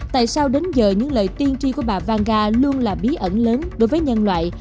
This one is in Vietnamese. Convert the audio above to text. tại sao đến giờ những lời tiên tri của bà vanga luôn là bí ẩn lớn đối với nhân loại